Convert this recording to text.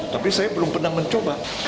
tapi saya belum pernah mencoba